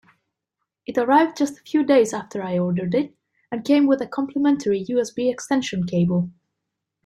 It arrived just a few days after I ordered it, and came with a complementary USB extension cable.